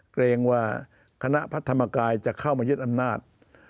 เกรงว่าคณะพระธรรมกายจะเข้ามายึดอำนาจ